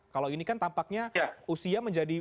kalau ini kan tampaknya usia menjadi